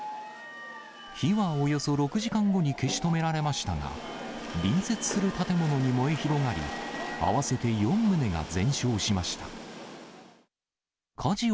火はおよそ６時間後に消し止められましたが、隣接する建物に燃え広がり、合わせて４棟が全焼しました。